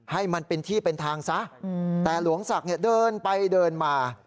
ให้มันเป็นที่เป็นทางซะแต่หลวงศักดิ์เนี่ยเดินไปเดินมา